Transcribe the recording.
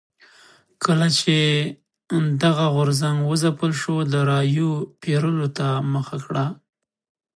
کله چې دغه غورځنګ وځپل شو د رایو پېرلو ته مخه کړه.